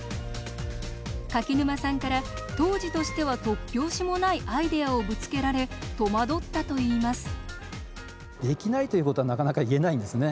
柿沼さんから当時としては突拍子もないアイデアをぶつけられ戸惑ったといいます。